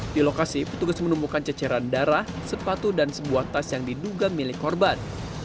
di lokasi petugas menemukan ceceran darah sepatu dan sebuah tas yang diduga milik korban